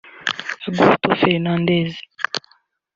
Augusto Fernandez